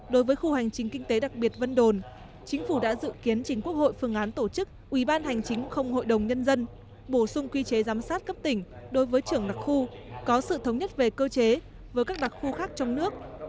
đối với khu hành chính kinh tế đặc biệt vân đồn chính phủ đã dự kiến chính quốc hội phương án tổ chức ubhkhn bổ sung quy chế giám sát cấp tỉnh đối với trưởng đặc khu có sự thống nhất về cơ chế với các đặc khu khác trong nước